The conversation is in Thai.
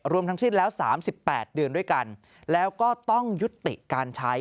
รวมทั้งสิ้นแล้ว๓๘เดือนด้วยกันแล้วก็ต้องยุติการใช้